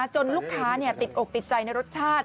ลูกค้าติดอกติดใจในรสชาติ